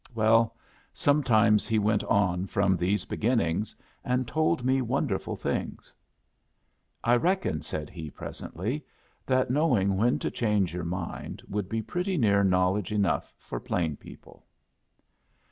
Well, sometimes he went on from these beginnings and told me wonderful things. "I reckon," said he, presently, "that knowing when to change your mind would be pretty near knowledge enough for plain people."